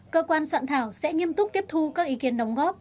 cơ quan soạn thảo sẽ nghiêm túc tiếp thu các ý kiến đóng góp